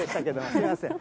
すみません。